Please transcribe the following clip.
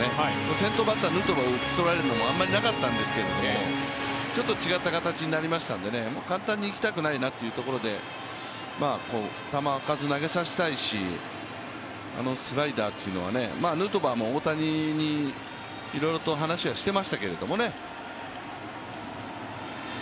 先頭バッター、ヌートバーが打ち取られるのもあまりなかったんですけど、ちょっと違った形になりましたんで簡単にいきたくないなというところで球数投げさせたいし、スライダーというのはね、ヌートバーも大谷にいろいろと話はしていましたけれどもね。